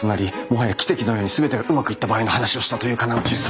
もはや奇跡のように全てがうまくいった場合の話をしたというか何というか。